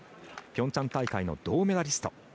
ピョンチャン大会の銅メダリスト。